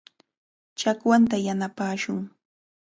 Chakwanta yanapashun.